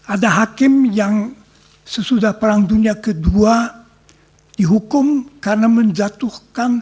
ada hakim yang sesudah perang dunia ii dihukum karena menjatuhkan